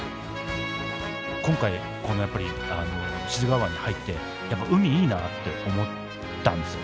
今回やっぱり志津川湾に入って海いいなって思ったんですよ